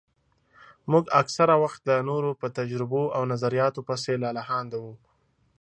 موږ اکثره وخت د نورو په تجربو او نظرياتو پسې لالهانده وو.